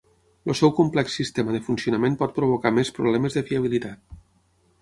El seu complex sistema de funcionament pot provocar més problemes de fiabilitat.